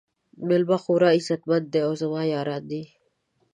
میلمانه خورا عزت مند دي او زما یاران دي.